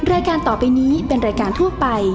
แอร์โหลดแล้วคุณล่ะโหลดแล้ว